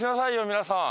皆さん。